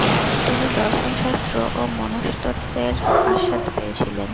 তিনি দর্শন শাস্ত্র ও মনস্তত্বের আস্বাদ পেয়েছিলেন।